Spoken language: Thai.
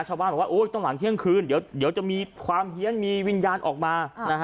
ชาวบ้านบอกว่าต้องหลังเที่ยงคืนเดี๋ยวจะมีความเฮียนมีวิญญาณออกมา